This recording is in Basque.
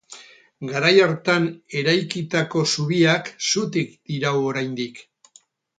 Garai hartan eraikitako zubiak zutik dirau oraindik.